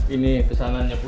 ini pesanannya bu